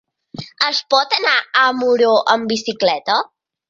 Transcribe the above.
Es pot anar a Muro amb bicicleta?